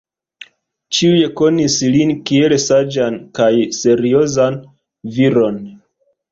Ĉiuj konis lin kiel saĝan kaj seriozan viron.